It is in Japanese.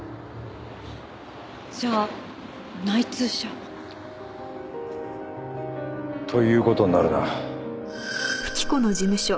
じゃあ内通者？という事になるな。